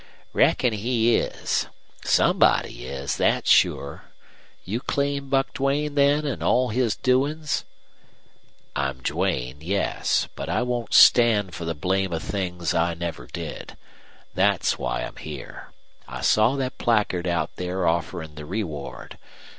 "Reckon he is. Somebody is, that's sure. You claim Buck Duane, then, an' all his doings?" "I'm Duane; yes. But I won't stand for the blame of things I never did. That's why I'm here. I saw that placard out there offering the reward.